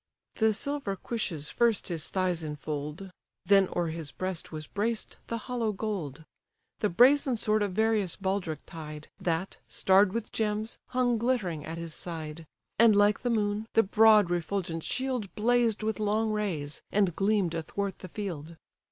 The silver cuishes first his thighs infold; Then o'er his breast was braced the hollow gold; The brazen sword a various baldric tied, That, starr'd with gems, hung glittering at his side; And, like the moon, the broad refulgent shield Blazed with long rays, and gleam'd athwart the field.